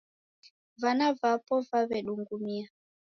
Vana vapo vaw'edungumia.